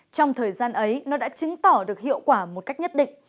trong thời gian ấy nó đã chứng tỏ được hiệu quả một cách nhất định